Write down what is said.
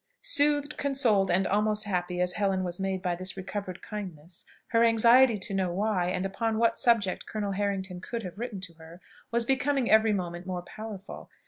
Soothed, consoled, and almost happy as Helen was made by this recovered kindness, her anxiety to know why, and upon what subject Colonel Harrington could have written to her, was becoming every moment more powerful.